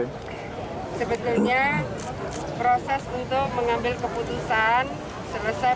epidemiologi yang akan dijadikan alat pengontrol untuk bisa mengambil keputusan apakah sudah saatnya